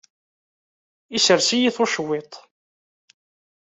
Issers-iyi tucwiḍt.